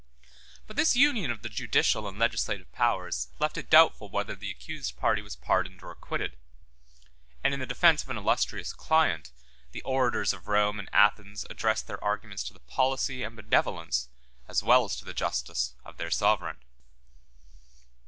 But this union of the judicial and legislative powers left it doubtful whether the accused party was pardoned or acquitted; and, in the defence of an illustrious client, the orators of Rome and Athens address their arguments to the policy and benevolence, as well as to the justice, of their sovereign.